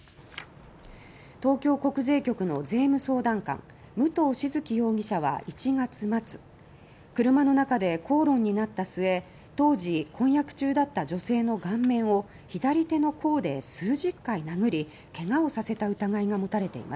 東京国税局の税務相談官武藤静城容疑者は１月末車の中で口論になった末当時、婚約中だった女性の顔面を左手の甲で数十回殴り、怪我をさせた疑いが持たれています。